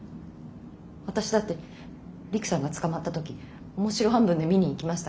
私だってりくさんが捕まった時面白半分で見に行きましたから。